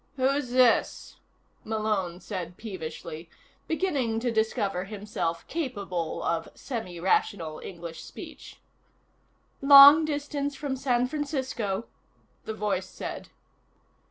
"Who's this?" Malone said peevishly, beginning to discover himself capable of semirational English speech. "Long distance from San Francisco," the voice said.